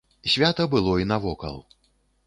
Свята было і навокал.